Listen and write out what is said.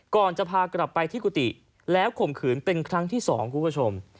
ก่อนจะพากลับไปที่กุฏิแล้วข่มขืนเป็นครั้งที่๒คุณผู้ชม